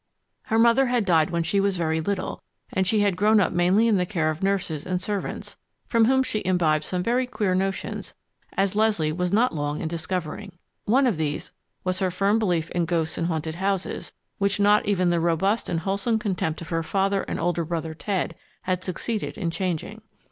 Her mother had died when she was very little, and she had grown up mainly in the care of nurses and servants, from whom she had imbibed some very queer notions, as Leslie was not long in discovering. One of these was her firm belief in ghosts and haunted houses, which not even the robust and wholesome contempt of her father and older brother Ted had succeeded in changing.